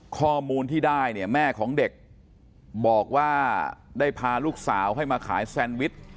ข้อมูลที่ได้เนี่ยแม่ของเด็กบอกว่าได้พาลูกสาวให้มาขายแซนวิช